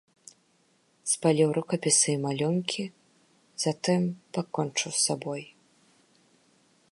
Спаліў рукапісы і малюнкі, затым пакончыў з сабой.